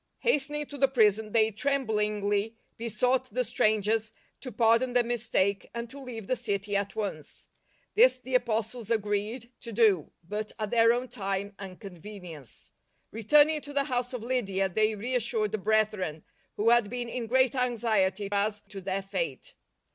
Hasten ing to the prison they tremblingly besought the strangers to pardon their mistake, and to leave the city at once. This the Apostles agreed to do, but at their own time and convenience. Returning to the house of Lydia, they reas sured the brethren, who had been in great anxiety as to their fate.